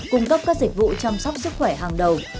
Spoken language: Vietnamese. cung cấp các dịch vụ chăm sóc sức khỏe hàng đầu